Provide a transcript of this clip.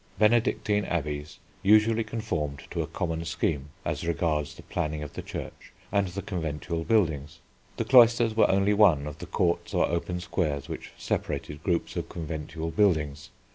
Benedictine abbeys usually conformed to a common scheme as regards the planning of the church and the conventual buildings. The cloisters were only one of the courts or open squares, which separated groups of conventual buildings.